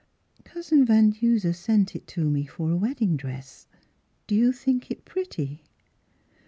" Cousin Van Duser sent it to me for a wedding dress; do you think it pretty?